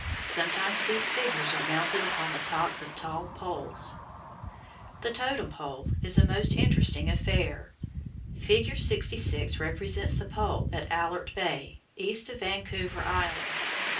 Sometimes these figures are mounted upon the tops of tall poles. The "totem pole" is a most interesting affair. Figure 66 represents the pole at Alert Bay, east of Vancouver Island.